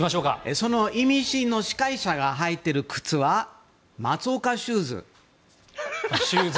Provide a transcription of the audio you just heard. そのイミシンの司会者が履いている靴はイミシンシューズ。